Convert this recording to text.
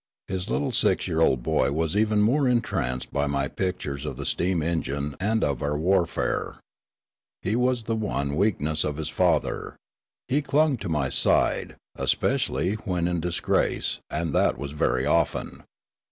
His little six year old boy was even more entranced by my pictures of the steam engine and of our warfare. He was the one weakness of his father. He clung to my side, especially when in dis grace, and that was very often.